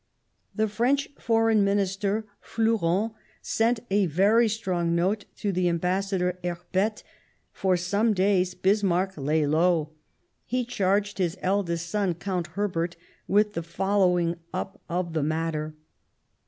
The French Foreign Minister, Flourens, sent a very strong note through the Ambassador, Herbette. For some days Bismarck lay low ; he charged his eldest son. Count Herbert, with the following up of the matter.